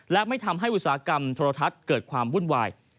และไม่ทำให้อุตสาหกรรมโทรทัศน์เกิดความวุ่นวาย